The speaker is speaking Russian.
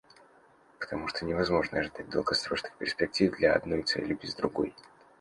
Потому что невозможно ожидать долгосрочных перспектив для одной цели без другой.